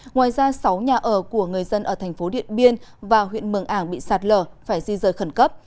ngoài ra sáu nhà ở của người dân ở thành phố điện biên và huyện mường ảng bị sạt lở phải di rời khẩn cấp